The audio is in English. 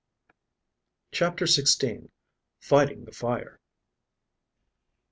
CHAPTER XVI. FIGHTING THE FIRE.